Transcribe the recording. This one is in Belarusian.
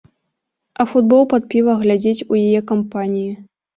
А футбол пад піва глядзець у яе кампаніі.